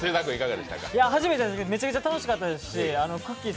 初めてでしたけど、めちゃめちゃ楽しかったですし、くっきー！